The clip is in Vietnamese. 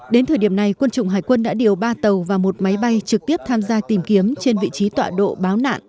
đến thời điểm này quân chủng hải quân đã điều ba tàu và một máy bay trực tiếp tham gia tìm kiếm trên vị trí tọa độ báo nạn